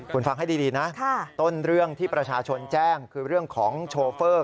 คุณฟังให้ดีนะต้นเรื่องที่ประชาชนแจ้งคือเรื่องของโชเฟอร์